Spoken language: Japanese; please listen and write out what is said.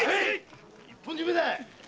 一本締めだ！